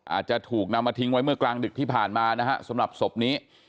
อาจจะถูกนำมาทิ้งไว้เมื่อกลางดึกที่ผ่านมานะฮะสำหรับศพนี้